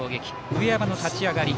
上山の立ち上がり。